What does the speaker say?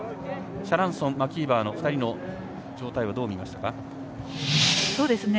シャランソン、マキーバーの２人の状態はどう見ましたか？